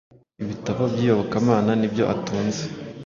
ibitabo by’Iyobokamana nibyo atunze